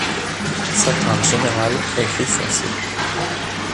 Sa teinte générale est gris foncé.